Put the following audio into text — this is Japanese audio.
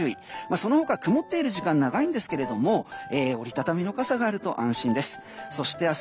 その他、曇っている時間長いんですけれども折り畳みの傘があると安心です。